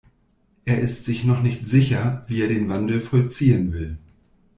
Er ist sich noch nicht sicher, wie er den Wandel vollziehen will.